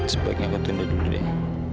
sebaiknya aku tunduk dulu deh